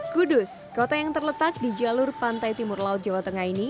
kudus kota yang terletak di jalur pantai timur laut jawa tengah ini